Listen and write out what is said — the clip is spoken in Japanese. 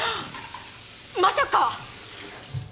まさか！